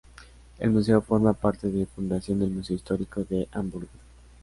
El museo forma parte de Fundación del Museo Histórico de Hamburgo.